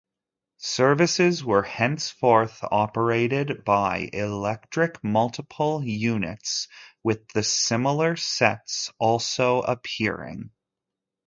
Services were henceforth operated by Electric Multiple Units, with the similar sets also appearing.